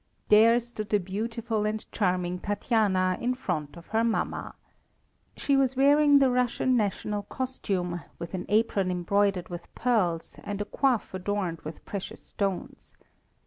There stood the beautiful and charming Tatiana in front of her mamma. She was wearing the Russian national costume, with an apron embroidered with pearls and a coif adorned with precious stones.